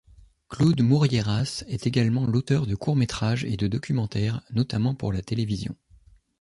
Claude Mouriéras est également l'auteur de courts-métrages et de documentaires, notamment pour la télévision.